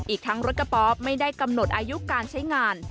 อีกทั้งรถกระป๋อไม่ได้กำหนดอายุการใช้งาน